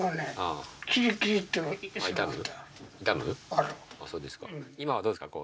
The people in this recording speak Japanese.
あっそうですか？